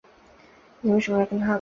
妳为什呢要跟他乱说话